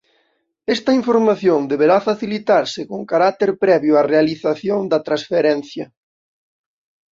Esta información deberá facilitarse con carácter previo á realización da transferencia.